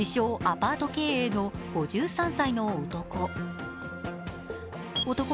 ・アパート経営の５３歳の男。